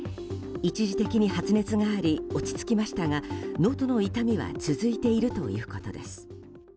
一時的に発熱があり落ち着きましたがのどの痛みは続いているということです。